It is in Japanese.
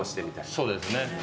そうですね。